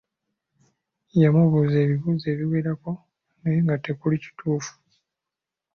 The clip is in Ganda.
Yamubuuza ebibuuzo ebiwerako naye nga tekuli kituufu.